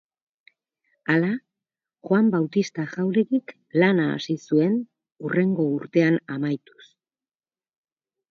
Hala, Juan Bautista Jauregik lana hasi zuen, hurrengo urtean amaituz.